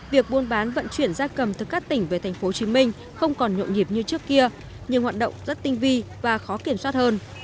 việc buôn bán vận chuyển gia cầm từ các tỉnh về tp hcm không còn nhộn nhịp như trước kia nhưng hoạt động rất tinh vi và khó kiểm soát hơn